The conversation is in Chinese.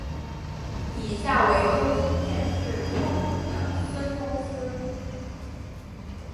以下为东京电视控股的孙公司。